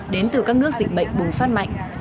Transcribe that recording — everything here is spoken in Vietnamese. đến từ các nước dịch bệnh bùng phát mạnh